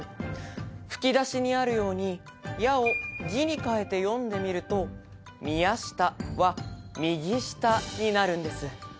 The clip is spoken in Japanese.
吹き出しにあるように、「や」を「ぎ」に変えて読んでみると「みやした」は「みぎした」になるんです。